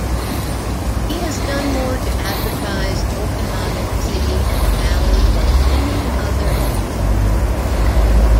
He has done more to advertise Okanogan city and valley than any other individual.